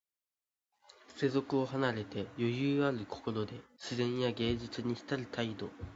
世俗を離れて、余裕ある心で自然や芸術にひたる態度。